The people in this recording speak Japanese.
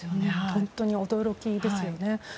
本当に驚きですよね。